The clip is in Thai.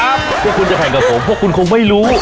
พวกคุณจะแข่งกับผมพวกคุณคงไม่รู้